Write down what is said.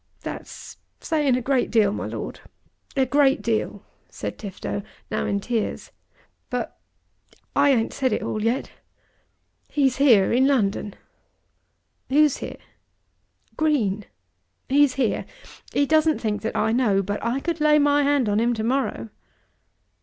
"That's saying a great deal, my Lord, a great deal," said Tifto, now in tears. "But I ain't said it all yet. He's here; in London!" "Who's here?" "Green. He's here. He doesn't think that I know, but I could lay my hand on him to morrow."